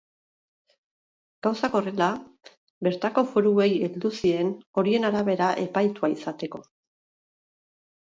Gauzak horrela bertako foruei heldu zien horien arabera epaitua izateko.